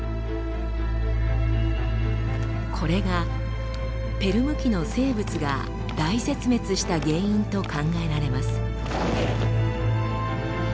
これがペルム紀の生物が大絶滅した原因と考えられます。